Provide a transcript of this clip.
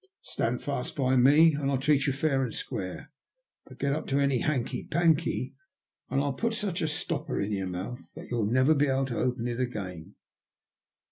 Stand fast by me and I'll treat you fair and square, but get up to any hanky panky and I'll put such a stopper on your mouth that you'll never be able to open it again."